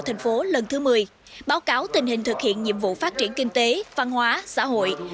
thành phố lần thứ một mươi báo cáo tình hình thực hiện nhiệm vụ phát triển kinh tế văn hóa xã hội